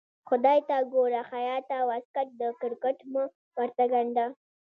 خدای ته ګوره خياطه واسکټ د کرکټ مه ورته ګنډه.